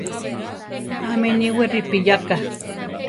¿Ámi niwi ripiyáka?